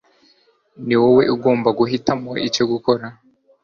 ni wowe ugomba guhitamo icyo gukora